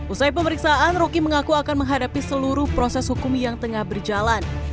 usai pemeriksaan roky mengaku akan menghadapi seluruh proses hukum yang tengah berjalan